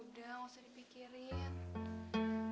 udah gak usah dipikirin